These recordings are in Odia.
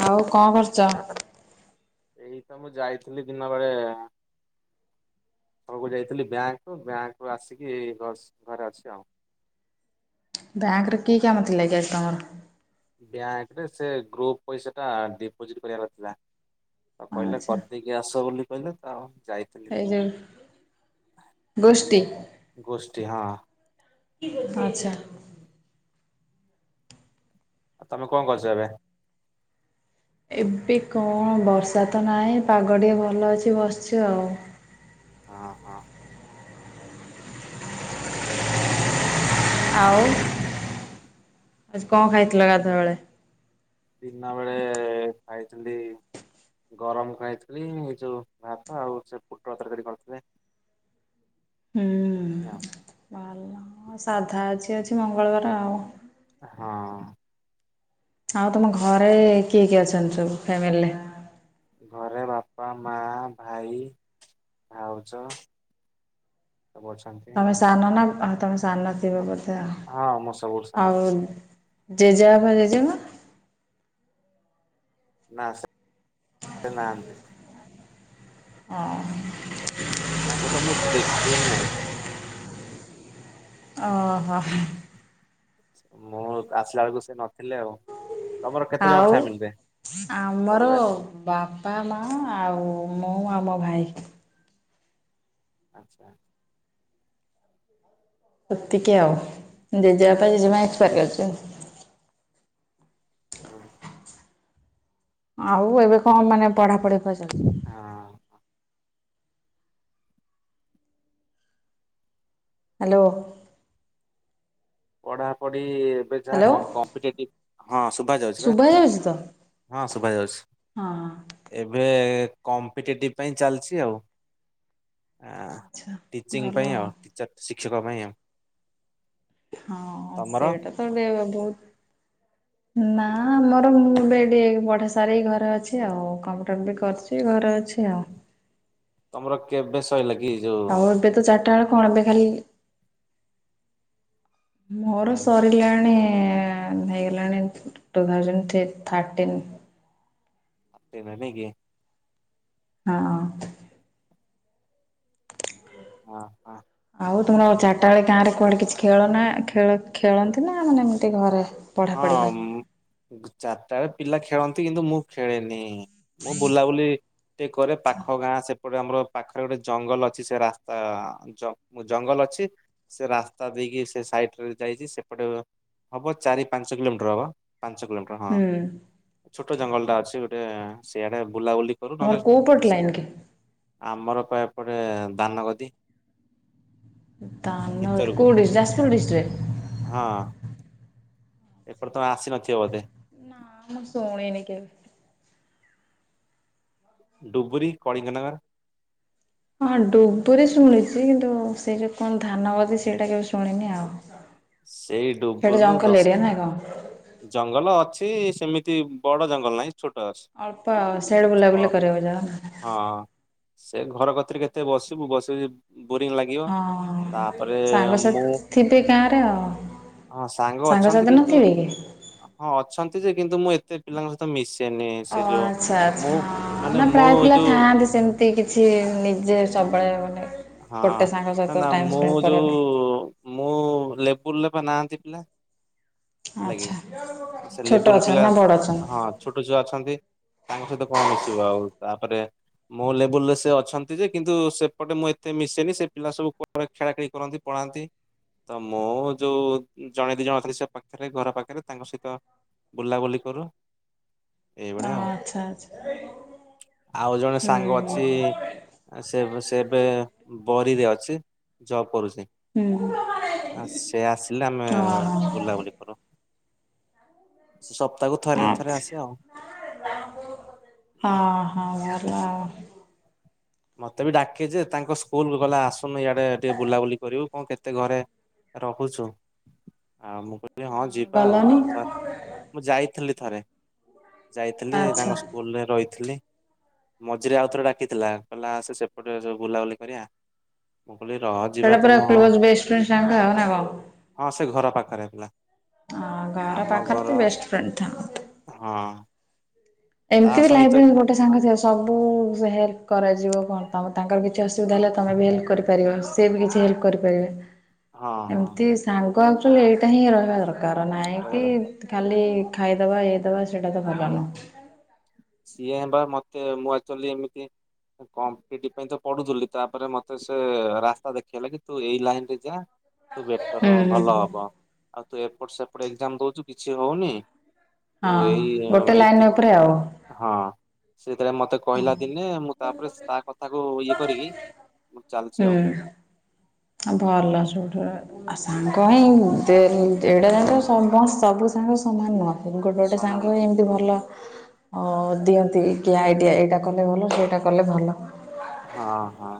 ଆଉ କଣ କରୁଚ? ଏଇ ତ ମୁଁ ଯାଇଥିଲି ଦିନ ବେଳେ ସବୁ ଯାଇଥିଲି ବ୍ୟାଙ୍କ ବ୍ୟାଙ୍କ ରୁ ଆସିକି ଏଇ ଘସ ଘରେ ଅଛି ଆଉ। ବ୍ୟାଙ୍କ ରେ କି କାମ ଥିଲା କି ଆଜି ତମର? ବ୍ୟାଙ୍କ ରେ ସେ ଗ୍ରୁପ ପଇସା ଟା ଡିପୋଜିଟ କରିଆର ଥିଲା। ଆଉ କହିଲେ ଆଚ୍ଛା କରିଦେଇକି ଆସ ବୋଲି କହିଲେ ତ ଯାଇଥିଲ। ଏଇ ଯୋଉ ଗୋଷ୍ଠୀ ଗୋଷ୍ଠୀ ହଁ। ଆଚ୍ଛା। ଆଉ ତମେ କଣ କରଚ ଏବେ? ଏବେ କଣ ବର୍ଷା ତ ନାହିଁ ପାଗ ଟିକେ ଭଲ ଅଛି ବସିଛୁ ଆଉ। ହଁ ହଁ। ହ ଆଉ ଆଜି କଣ ଖାଇଥିଲ ଗାଧୁଆ ବେଳେ? ଦିନ ବେଳେ ଖାଇ ଥିଲି ଗରମ ଖାଇଥିଲି ଏ ଯୋଉ ଭାତ ଆଉ ସେ ପୋଟଳ ତରକାରୀ କରିଥିଲେ। ଏତିକି ଆଉ। ହଁ ସାଧା ଅଛି ଅଛି ମଙ୍ଗଳବାର ଆଉ। ହଁ। ଆଉ ତମ ଘରେ କିଏ କିଏ ଅଛନ୍ତି ସବୁ ଫ୍ୟାମିଲିରେ? ଘରେ ବାପା ମା ଭାଇ। ଭାଉଜ। ସବୁ ଅଛନ୍ତି ତମେ ଆଉ। ସାନ ନା ଉ ତମେ ସାନ ନଥିବ ବୋଧେ ହଁ ମୁଁ ସବୁଠୁ ସାନ ଆଉ ଜେଜେବାପା ଜେଜେମା? ନା ସେ ନାହାନ୍ତି। ହଁ। ତାଙ୍କୁ ତ ମୁଁ ଦେଖି ହିଁ ନାହିଁ। ଓ ହୋ। ମୁଁ ଆସିଲା ବେଳକୁ ସେ ନଥିଲେ ଆଉ। ତମର କେତେ ଜଣ ଆଉ ଫ୍ୟାମିଲିରେ ଆମର ପରିବାରରେ? ବାପା ମା ଆଉ ମୁଁ ଆଉ ମ ଭାଇ। ଆଛା। କତିକି ଆଉ ଜେଜେବାପା ଜେଜେମା ଏକ୍ସପାର କରିଚନ୍ତି। ହଁ। ଆଉ ଏବେ କଣ ମାନେ ପଢା ପଢି କରିଛନ୍ତି? ହଁ। ହାଲୋ। ପଢ଼ାପଢ଼ି ଏବେ ହ୍ୟାଲୋ ଯାହା କମ୍ପିଟେଟିଭ ହଁ ସୁଭା ଯାଉଛି ପା ଶୁଭା ତ? ହଁ ଶୁଭ ଯାଉଛି ହଁ ଏବେ ଏ କମ୍ପିଟେଟିଭ ପାଇଁ ଚାଲିଛି ଆଉ। ଆ ଆଚ୍ଛା ଟିଚିଂ ଭଲ ପାଇଁ ଆଉ ଟିଚର ଶିକ୍ଷକ ପାଇଁ ଆଉ। ହଁ ତମର? ସେଇଟା ତ ଦେ ବହୁ ନା ଆମର [unintelligible] ପଢା ସାରିକି ଘରେ ଅଛି ଆଉ କମ୍ପ୍ୟୁଟର ବି କରୁଛି ଘ ଅଛି ଆଉ। ତମର କେବେ ଶଇଲା କି ଯୋଉ ଟା ବେଳେ କଣ ଏବେ ଖାଲି ମୋର ସରିଲାଣି ଏଁ ହେଇଗଲାଣି [unintelligible] [unintelligible] ହଁ। ହଁ ହଁ। ଆଉ ତୁମର ଆଉ ଚାରିଟା ବେଳେ ଗାଁ ରେ କୁଆଡେ କିଛି ଖେଳ ନା ଖେଳ ଖେଳନ୍ତି ନା ମାନେ ଏମିତି ଘରେ? ପଢ଼ାପଢ଼ି ହଁ ପାଇଁ ମୁଁ ଚାରିଟା ବେଳେ ପିଲା ଖେଳନ୍ତି କିନ୍ତୁ ମୁଁ ଖେଳେନି। ମୁଁ ବୁଲାବୁଲି ଟିକେ କରେ ପାଖ ଗାଁ ସେ ପଟେ ଆମର ପାଖରେ ଗୋଟେ ଜଙ୍ଗଲ ଅଛି ସେ ରାସ୍ତା ଜ ଜଙ୍ଗଲ ଅଛି ସେ ରାସ୍ତା ଦି [unintelligible] ସାଇଟରେ ଯାଇଚି ସେପଟେ ହବ ଚାରି ପାଞ୍ଚ କିଲୋମିଟର ହବ ପାଞ୍ଚ କିଲୋମିଟର ହଁ ହୁଁ ଛୋଟ ଜଙ୍ଗଲଟା ଅଛି ଗୋଟେ ସିଆଡ଼େ ବୁଲାବୁଲି କରୁ ତମର ନହେଲେ କୋଉ ପଟ [unintelligible] ଲାଇନ୍ କି? ଆମର [unintelligible] ପରେ ଦାନଗଦି। ତାନ ଭିତରକୁ କୋଉଠି ଯାଜପୁର ହଁ ଡିଷ୍ଟ୍ରିକ୍ଟରେ? ଏପଟେ ତମେ ଆସି ନଥିବ ବଧେ? ହଁ ମୁଁ ଶୁଣିନି କେବେ। ଡୁବୁରି କଳିଙ୍ଗନଗର। ହଁ ଡୁବୁରି ଶୁଣିଚି କିନ୍ତୁ ସେଇ ଯୋଉ କଣ ଧାନଗାଦି ସେଇଟା କେବେ ଶୁଣିନି ଆଉ। ସେଇ ସେଇଟା ଡୁବରିରୁ ଜଙ୍ଗଲ ଦଶ ଏରିଆ ନା କଣ କିଲ ଜଙ୍ଗଲ ଅଛ [unintelligible] ସେମିତି ବଡ ଜଙ୍ଗଲ ନାଇଁ। ଅଳ୍ପ ଆଉ ସିଆଡ଼େ ବୁଲାବୁଲି କରିବାକୁ ଯାଅ। ଏ ଘର କତିରେ କେତେ ବସିବୁ ବସି ବୋରିଂ ଲାଗିବ ହଁ ତାପରେ ମୁଁ ସାଙ୍ଗସାଥି ଥିବେ ଗାଁରେ ଆଉ ହଁ ସାଙ୍ଗ ଅଛନ୍ତି ସାଙ୍ଗସାଥି କିନ୍ତୁ ନଥିବେ କି? ହଁ ଅଛନ୍ତି ଯେ କିନ୍ତୁ ମୁଁ ଏତେ ପିଲାଙ୍କ ସହିତ ମିଶି ଓ ଆଚ୍ଛା ଆଚ୍ଛା ହଁ ମାନେ ନା ମୁଁ ପ୍ରାୟ ପିଲା ଯୋଉ ଥାଆନ୍ତି ସେମତି କିଛି ନିଜେ ତବେଳେ ମାନେ ହଁ ଗୋଟେ ସାଙ୍ଗ ସହିତ ନା ନା ଟାଇମ୍ ମୁଁ ସ୍ପେଣ୍ଡ କରିବା ପାଇଁ ଯୋଉ ମୁଁ ଲେବୁଲରେ ପା ନା ପିଲା ହେଲା ଆଚ୍ଛା କିି ସେ ଛୋଟ ଲେବୁଲ ଅଛନ୍ତି ପିଲା ନା ବଡ଼ ଅଛନ୍ତି? ହଁ ଛୋଟ ଛୁଆ ଅଛନ୍ତି। ତାଙ୍କ ସହିତ କଣ ମିଶିବ ଆଉ ତାପରେ ମୋ ଲେବୁଲରେ ସେ ଅଛନ୍ତି ଯେ କିନ୍ତୁ ସେପଟେ ମୁଁ ଏତେ ମିଶେନି ସେ ପିଲା ସବୁ କୋଉଁଆଡେ ଖେଳା ଖେଳି କରନ୍ତି। ନ୍ତି ତ ମୋ ଯୋଉ ଜଣେ ଦି ଜଣ ଅଛନ୍ତି ସେ ପାଖରେ ଘର ପାଖରେ ତାଙ୍କ ସହିତ ବୁଲାବୁଲି କରୁ। ଓ ଏଇଭଳିଆ ଆଉ ଆଚ୍ଛା ଆଚ୍ଛା। ଆଉ ଜଣେ ସାଙ୍ଗ ହୁଁ ଅଛି। ଆ ସେ ଏବେ ସେ ଏବେ ବରୀରେ ଅଛି ଜବ୍ କରୁଚି। ହୁଁ ଆସେ ଆସିଲେ ଆମେ ଓହୋ [inaudible] ସେ ସପ୍ତାହକୁ ଥରେ ଥରେ ଆଚ୍ଛା। ଆସେ ଆଉ। ହଁ ହଁ। ମତେ ବି ଡାକେ ଯେ ତାଙ୍କ ସ୍କୁଲକୁ କହିଲେ ଆସୁନୁ ଇଆଡେ ଟିକେ ବୁଲାବୁଲି କରିବୁ କଣ କେତ କେତେ ଘରେ ରହୁଛୁ ଆଉ ମୁଁ କହିଲି ହଁ ଯିବା ଆଉ ଗଲନି [unintelligible] ମୁଁ ଯାଇଥିଲି ଥରେ। ଯାଇଥିଲି ଆଚ୍ଛା। ତାଙ୍କ ସ୍କୁଲରେ ରହିଥିଲି ମଝିରେ ଆଉ ଥରେ ଡାକିଥିଲା। କହିଲା ସେ ସେପଟେ ଯୋଉ ବୁଲାବୁଲି କରିବା। ମୁଁ କହିଲି ରହ ଯିବା ସେଇଟା ପୁରା ତାକୁ ହଁ କ୍ଲୋଜ୍ ବେଷ୍ଟ ଫ୍ରେଣ୍ଡ ସାଙ୍ଗ ଆଉ ନା କଣ? ହଁ ସେ ଘର ପାଖରେ ପିଲା। ହଁ ଘର ଆମ ପାଖରେ ଘର ତ ବେଷ୍ଟ ଫ୍ରେଣ୍ଡ ହଁ। ତା ଏମତି ଲାଇଫ ସହିତ ଲଙ୍ଗ ଗୋଟେ ସାଙ୍ଗ [unintelligible] ସବୁ ସେ ହେଲ୍ପ କରାଯିବ କଣ ତମ ତାଙ୍କର କିଛି ଅସୁବିଧା ହେଲେ ତମେ ବି ହେଲ୍ପ କରିପାରିବ ସିଏ ବି କିଛି ହେଲ୍ପ କରିପାରିବେ। ହଁ ହଁ ଏମତି ସାଙ୍ଗ ଆକଚୁଆଲି ଏଇଟା ହିଁ ରହିବା ଦରକାର ନାଇଁ ରହିବା କି ଦରକାର ଖାଲି ଖାଇଦବା ଇଏଦବା ସେଇଟା ତ ଭଲ ହୁଁ ନୁହଁ। ସିଏ ବା ମତେ ମୁଁ ଆକଚୁଆଲି ଏମିତି କମ୍ପିଟି ପାଇଁ ତ ପଢୁଥିଲି ତାପରେ ମତେ ସେ ରାସ୍ତା ଦେଖେଇଲା କି ତୁ ଏଇ ଲାଇନରେ ଯା ତୁ ବେଟର ହୁଁ ଭଲ ହୁଁ। ହବ ଆଉ ତୁ ଏପଟ ସେପଟ ଏକ୍ଜାମ ଦଉଚୁ କିଛି ହଉନି। ହଁ। ଗୋଟେ ଲାଇନ ଏଟିକ ଉପରେ ଆଉ। ହଁ ସେ [unintelligible] କହିଲା ଦିନେ ମୁଁ ତାପରେ ତା କଥାକୁ ଇଏ କରିକି ମୁଁ ଚାଲିଛି ଆଉ। ହୁଁ। ଭଲ ସୋଠୁ ଆ ସାଙ୍ଗ ହୁଁ ହିଁ ମୋତେ ଏଇଟା ଜଙ୍କ ସମସ୍ତେ ସବୁ ସାଙ୍ଗ ସମାନ ନୁହେନ୍ତି ଗୋଟେ ଗୋଟେ ସମାନ ସାଙ୍ଗ ଏମିତି ଭଲ। ଓ ଦିଅନ୍ତି କି ଆଇଡିଆ ଏଇଟା କଲେ ଭଲ ସେଇଟା କଲେ ଭଲ। ହଁ ହଁ।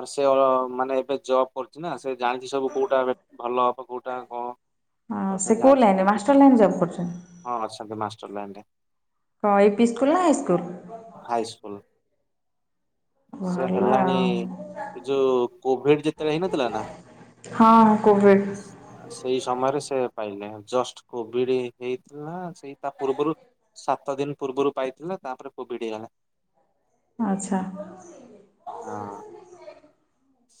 ଆ ସେ ମାନେ ଏବେ ଜବ କରୁଛି ନା ସେ ଜାଣିଛି ସବୁ କୋଉଟା ଏ ଭଲ ହବ କୋଉଟା କଣ। ହ ତ ସେ କୋଉ ଜାଣିଛି ଲାଇନ ମାଷ୍ଟର ଲାଇନ ଜବ୍ କରୁଛନ୍ତି? ଚର ଲାଇନି ରେ। ହଁ ଏ ପି ସ୍କୁଲ ନା ହାଇ ସ୍କୁଲ? High school. ସେ ଭଲ ହେଲାଣି ଆଉ ଏ ଯୋଉ କୋଭିଡ ଯେତେବେଳେ ହେଇନଥିଲା ନା। ହଁ କୋଭିଡ୍ ସେଇ ସମୟରେ ସେ ସେ ପାଇଲେ ଜଷ୍ଟ କୋଭିଡ ହେଇଥିଲା ନା ସେଇ ତା ପୂର୍ବରୁ ସାତ ଦିନ ପୂର୍ବରୁ ପାଇ ହେଲା ତାପରେ କୋଭିଡି ହେଲା। ଆଛା। ହଁ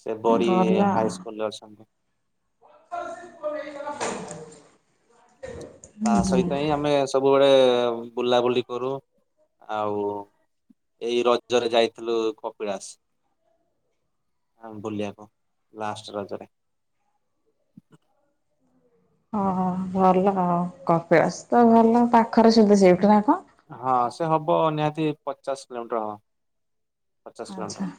ସେ ବରି ଭଲ ଆଉ। ହାଇସ୍କୁଲରେ ଅଛନ୍ତି। [inaudible] ତା ସହିତ ହିଁ ଆମେ ସବୁବେଳେ ବୁଲାବୁଲି କରୁ ଆଉ ଏଇ ରଜରେ ଯାଇଥିଲୁ କପିଳାସ। [unintelligible] ବୁଲିବାକୁ ଲାଷ୍ଟ ରଜରେ। ହଁ ହଁ ଭଲ କପିଳାସ ତ ଭଲ ପାଖରେ ସବୁ ସେଇଠି ନା କଣ? ହଁ ସେ ହବ ନିହାତି ପଚାଶ କିଲୋମିଟର ହବ। ପଚାଶ ଆଚ୍ଛା। କିଲୋମିଟର।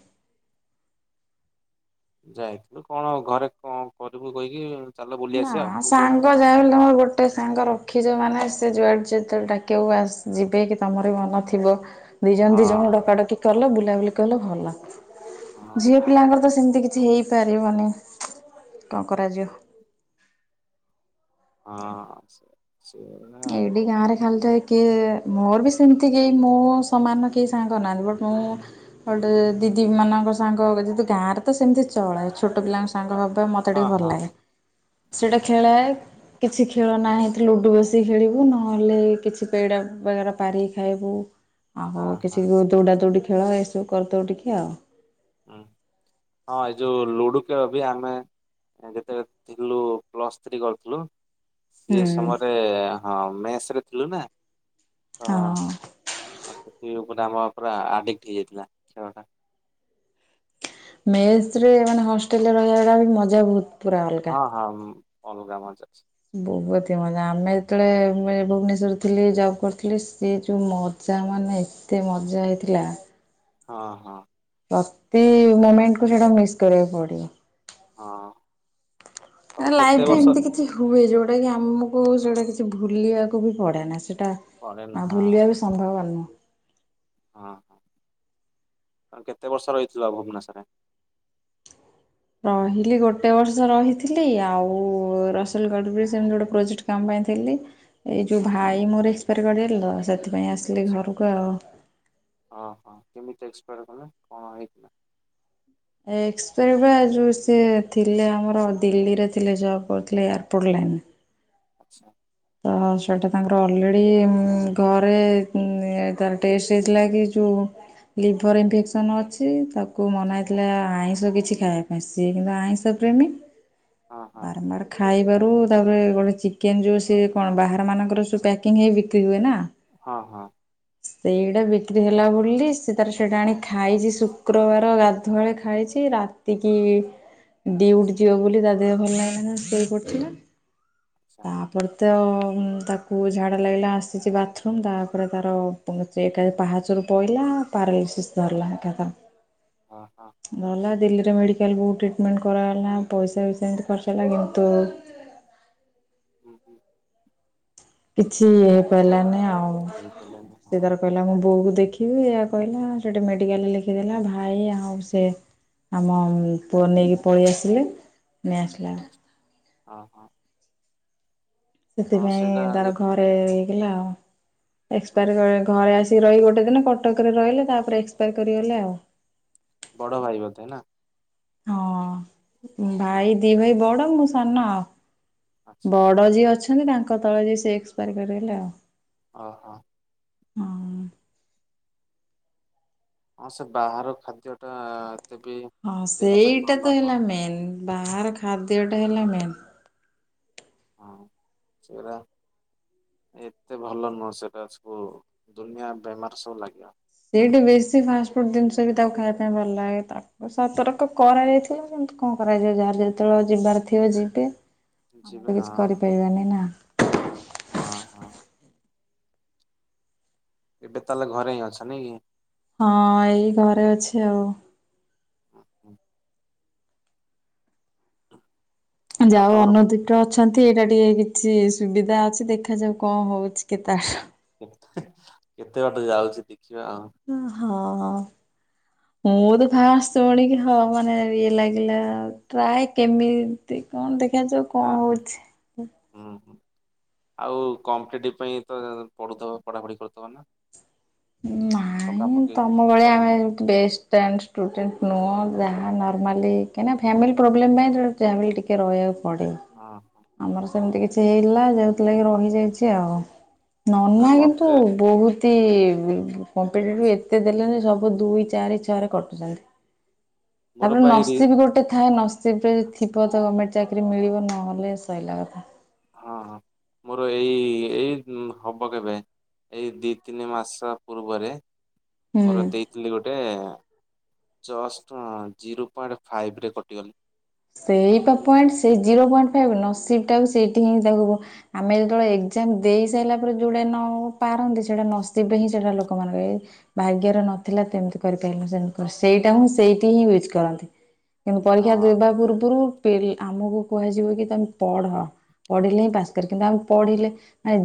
ଯାଇଥିଲୁ କଣ ଘରେ କଣ କରିବୁ କହିକି [unintelligible] ନା ଆସିବା ଆଉ। ସାଙ୍ଗ ଯାହା ହେଲେ ତମର ଗୋଟେ ସାଙ୍ଗ ରଖିଚ ମାନେ ସେ ଯୁଆଡେ ଯେତେବେଳେ ଡାକିବ ଆସେ ଯିବେ କି ତମର ବି ମନ ଥିବ। ହଁ ଦିଜଣ ଦିଜଣ ଡକାଡକି କଲ ବୁଲାବୁଲି କଲ ଭଲ ହଁ ଝିଅ ପିଲାଙ୍କର ତ ସେମତି କିଛି ହେଇପାରିବନି କଣ କରାଯିବ। ହଁ ସେ ସେଇଭଳିଆ ଆଉ। ଖାଲିଟାରେ କିଏ ମୋର ବି ସେମିତି କେହି ମୁଁ ସମାନର କେହି ସାଙ୍ଗ ନାହାନ୍ତି ବଟ୍ ମୁଁ ଗୋଟେ ଦିଦି ମାନଙ୍କ ସାଙ୍ଗ ଯେହେତୁ ଗାଁରେ ତ ସେମିତି ଚଳେ। ଛୋଟ ପିଲାଙ୍କ ସାଙ୍ଗ ହେବା ମୋତେ ହଁ ଟିକେ ଭଲ ହଁ ଲାଗେ ହୁଁ ସେଇଟା ଖେଳ‌ଏ କିଛି ଖେଳ ନାଇ ଲୁଡୁ ବସି କି ଖେଳିବୁ ନହେଲେ କିଛି ପେଡା ବଗେରା ପାରିକି ଖାଇବୁ। ଆଉ ହଁ ହଁ କିଛି ଦୌଡା ଦୌଡି ଖେଳ ଏସବୁ କରିଦଉ ଟିକେ ଆଉ। ହୁଁ ହଁ ଏଇ ଯୋଉ ଲୁଡୁ ଖେଳବି ଆମେ ଯେତେବେଳେ ଥିଲୁ ପ୍ଲସଥ୍ରୀ କରୁଥିଲୁ। ସିଏ ହୁଁ ସମୟରେ ହଁ ମେସରେ ଥିଲୁନା ହଁ। ପୁରା ମୋର ପୁରା ଆଡିକ୍ଟି ହେଇଯାଇଥିଲା ଖେଳଟା। ମେସରେ ମାନେ ହଷ୍ଟେଲରେ ରହିବାଟା ବି ମଜା ବୋହୁତ। ହଁ ହଁ ଉଁ ଅଲଗା ମଜା ଅଛି। ବୋହୁତି ହି ମଜା ଆମେ ଯେତେବେଳେ ଭୁବନେଶ୍ୱର ଥିଲି ଜବ କରିଥିଲି ସେ ଯୋଉ ମ ଜା ମାନେ ଏତେ ମଜା ହେଇଥିଲା। ହଁ ହଁ। ପ୍ରତି ମୋମେଣ୍ଟ କୁ ସେଇଟା ମିସ୍ କରିବାକୁ ପଡିବ। ହଁ। ତମେ କେତେ ଲାଇଫରେ ବର୍ଷ ଏମିତି କିଛି ହୁଏ ଯୋଉଟା କି ଆମକୁ ସେଟା କିଛି ଭୁଲିବାକୁ ବି ପଡେ ନା ସେ ଟା ପରେ ନା ଆଉ ହଁ ଭୁଲିବା ବି ସମ୍ଭବ ନୁହଁ। ହଁ ହଁ। ଆଉ କେତେ ବର୍ଷ ରହିଥିଲ ଭୁବନେଶ୍ୱରରେ? ରହିଲି ଗୋଟେ ବର୍ଷ ରହିଥିଲି ଆଉ ରସୁଲଗଡରେ ସେମିତି ଗୋଟେ ପ୍ରୋଜେକ୍ଟ କାମ ପାଇ ଥିଲି। ଏଇ ଯୋଉ ହଁ। ଭାଇ ମୋର ଏକ୍ସପାଡ କରିଗଲେ ତ ସେଥିପାଇଁ ଆସିଲି ଆଚ୍ଛା ଘରକୁ ଆଉ। କେମତି ଏକ୍ସପାଡ କଲେ କଣ ହେଇଥିଲା? ଏକ୍ସପାଡ ପା ଯୋଉ ସେ ଥିଲେ ଆମର ଦିଲ୍ଲୀରେ ଥିଲେ ଜବ୍ କରୁଥିଲେ ଏୟାରପୋର୍ଟଲି [unintelligible] ଆଚ୍ଛା। ତ ସେଇଟା ତାଙ୍କର ଅଲରେଡି ଉଁ ଘରେ ତାର ଟେଷ୍ଟ ହେଇଥିଲା କି ଯୋଉ ଲିଭର ଇନଫେକ୍ସନ ଅଛି ତାକୁ ମନା ହେଇଥିଲା ଆଇଁଷ କିଛି ଖାଇବା ପାଇଁ ସିଏ କିନ୍ତୁ ଆଇଁଷ ପ୍ରେମି ହଁ ହଁ ବାରମ୍ବାର ଖାଇବାରୁ ତାପରେ ଗୋଟେ ଚିକେନ ଜୁସ୍ ସେ କଣ ବାହାର ମାନଙ୍କର ସବୁ ପ୍ୟାକିଙ୍ଗି ହେଇକି ବିକ୍ରି ହୁଏନା। ହଁ ହଁ। ସେଇଟା ବିକ୍ରି ହେଲା ବୋଲି ସେ ତାର ସେଇଟା ଆଣି ଖାଇଚି ଶୁକ୍ରବାର ଗାଧୁଆଳେ ଖାଇଚି ରାତିକି ଡ୍ୟୁଟି ଯିବ ବୋଲି ତା ଦେହ ଭଲ ଲାଗିଲାନି ଶୋଇ ପଡିଥିଲା। ଚ୍ଛା ତ ତାକୁ ଝାଡ଼ା ଲାଗିଲା ଆସିଛି ବାଥରୁମ୍ ତାପରେ ତାର ପୁ ଚେକ୍ ପାହାଚରୁ ପପଇଲା ପାରାଲିସିସ୍ ଧରିଲା ଏଖାତା ହଁ ହଁ [unintelligible] ଧରିଲା ଦିଲି ମେଡିକାଲ ରୁ ଟ୍ରିଟମେଣ୍ଟ୍ କରଗଲା ପଇସା ବି ସେମିତି ଖର୍ଚ ହେଲା କିନ୍ତୁ [unintelligible] ହୁଁ ହୁଁ କିଛି ଇ ହେଇପାରିଲାନି ଆଉ ହେଇପାରିଲାନି ସେ ହଁ ତାର କହିଲା ମୁଁ ବୋଉକୁ ଦେଖିବି ଏହା କହିଲା ସେଠି ମେଡିକାଲରେ ଲେଖିଦେଲା ଭାଇ ଆଉ ସେ ଆମ ଅ- ପୁଅ ନେଇକି ପଳେଇ ଆସିଲେ ନେଇଆସିଲା ଓ ହୋ। ସେଥିପାଇଁ ଯେ ତାର ଘରେ ହେଇଥିଲା ଆଉ ହୁଁ ହୁଁ ଏକ୍ସପାଏର୍ ଘରେ ଆସି ସିଏ ରହି ଗୋଟେ ଦିନ କଟକରେ ରହିଲେ ତାପରେ ଏକ୍ସପାୟାର କରିଗଲେ ଆଉ ବଡ଼ ଭାଇ ବୋଧେ ନା? ହଁ ହଁ ଭାଇ ଦି ଭାଇ ବଡ଼ ମୁଁ ସାନ ଆଉ। ଆଚ୍ଛା ବଡ଼ ଯିଏ ଅଛନ୍ତି ତାଙ୍କ ତଳେ ଯଏ ସେ ଏକ୍ସପାର୍ କରିଦଲେ ଆଉ। ଓ ହୋ। ହଁଓଁ ହଁ ସେ ବାହାର ଖାଦ୍ୟ ଟା ଆଁ ହଁ ସେଇଟା ତ ହେଲା ମେନ୍ ବାହାର ଖାଦ୍ୟଟା ହେଲା ମେନ୍। ହଁ ସେଗୁରା ଏତେ ଭଲ ନୁହଁ ସେଟା ସବୁ ଦୁନିଆ ବେମାର ସବୁ ଲାଗିବ। ସେଇଠି ବେଶୀ ଫାଷ୍ଟଫୁ ଫ୍ରୁଟ୍ ଜିନିଷ ବି ତାକୁ ଖାଇବା ପାଇଁ ଭଲ ଲାଗେ ତାକୁ ସତର୍କ କରାଯାଇଥିଲା କିନ୍ତୁ କଣ କରାଯିବ ଯାହାର ଯେତେବେଳେ ଯିବାର ଥିବ ଯିବେ ଆମେ ଯିବେ ତ ହଁ କିଛି କରିପାରିବାନି ନା। ହଁ ହଁ। ଏବେ ତାହେଲେ ଘରେ ହିଁ ଅଛ ନା କି? ହଁ ଏଇ ଘରେ ଅଛି ଆଉ। [unintelligible] ହୁଁ ଆଉ ଯାାଉ ତମର ଅନତିିକ ଆ ଅଛନ୍ତି ଏଇଟା ଟିକେ କିଛି ସୁବିଧା ଅଛି ଦେଖାଯାଉ କଁ ହଉଛି କେତାର [unintelligible] କେତେ ବାଟ ଯାଉଛି ଦେ ଅଁ ହଁଅ୍ଅ୍ଅ୍ ମୁଁ ତ ଭା ଶୁଣିକି ହଁ ମାନେ ଇଏ ଲାଗିଲା ପ୍ରାୟ କେମିତି କଣ ଦେଖ ଦେଖା ଯାଉ ହଁ କଣ ହଁ ହଉଛି? ହୁଁ ହୁଁ। ଆଉ କମ୍ପ୍ଟିଟିଟ୍ ପାଇଁ ତ ପଢୁ ପଢାପଢି କରୁ ଥିବ ନା? ନାଇଁ ପକାପକି ତମ ଭଳି କରିନ ଆମେ ବେସ୍- ଷ୍ଟାଣ୍ଡ୍ ନୁହଁ। ଯାହା ନର୍ମାଲି କାହିଁକିନା ଫାମିଲି ପ୍ରୋବ୍ଲେମ୍ ପାଇଁିଲ ଟିକେ ରହକୁ ପଡ଼େ ହଁ ହଁ ଆମର ସେମିତି କିଛି ହେଇଲା ଯେଉଁଥିଲାଗି ରହିଯାଇଛି ଆଉ। ନା ନନା କିନ୍ତୁ ମତେ ବହୁତି ଉ କମ୍ଟେଟିପି ଅଛି ଏତେ ଦେଲେନି ସବୁ ଦୁଇ ଚାରି ଛଅରେ କଟୁଛନ୍ତି ମୋର ତାପରେ ପା ଏଇ ରି ନସିବି ଗୋଟେ। ଥା ନସିବ୍ ରେ ଥିବ ତ ଗମେଣ୍ଟ୍ ଚାକିରି ମିଳିବ ନହେଲେ ସଇଲା କଥା ହଁ ହଁ ମୋର ଏଇ ଏଇ ହବ କେବେ ଏଇ ଦି ତିନି ମାସ ପୂର୍ବରେ ମୋର ହୁଁ। ଦେଇଥିଲି ଗୋଟେ ଏଁ ଜଷ୍ଟ୍ ଜିରୋ ପଏଣ୍ଟ୍ ଫାଇଭ୍ ରେ କଟିଗଲି। ସେଇ ପଏଣ୍ଟ୍ ସେ ଜିରୋ ପଏଣ୍ଟ୍ ଫାଇ ନସିିବ୍ ଟା ସେଇଠି ହିଁ ଆମେ ଯେତେବେଳେ ଏ ଏଜାମ୍ ଦେଇ ସାରିଲା ପରେ ଯୋଉଟା ନ ପାରନ୍ତି ସେଟା ନସିବ ହିଁ ସେଟା ଲୋକ ଲୋକ ମାନେ କ ଏ ଭାଗ୍ୟର ନଥିଲା ଏମିତି କରିପାରିଲ ସେମିତି କରି ସେଇଟା ହଁ ସେଇଠି ହିଁ ୟୁଜ କରନ୍ତି। କିନ୍ତୁ ପରୀକ୍ଷା ହଁ। ଦେବା ପୂର୍ବରୁ ଆମକୁ କୁହାଯିବ କି ତମେ ପଢ଼। ପଢ଼ିଲେ ହିଁ ପାସ୍ କରି କିନ୍ତୁ ଆମେ ପଢ଼ିଲେ ଏ ଯେ